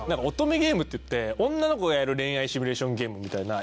乙女ゲームっていって女の子がやる恋愛シミュレーションゲームみたいな。